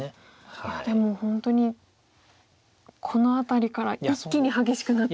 いやでも本当にこの辺りから一気に激しくなって。